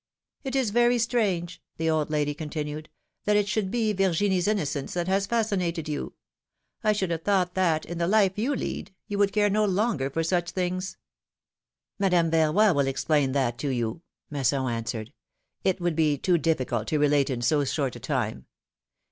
^^ It is very strange,'^ the old lady continued, that it should be Virginie's innocence that has fascinated you ! I should have thought that, in the life you lead, you would care no longer for such things ! Madame Verroy will explain that to you," Masson answered ; it would be too difficult to relate in so short a time.